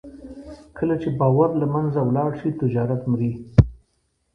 کله چې باور له منځه ولاړ شي، تجارت مري.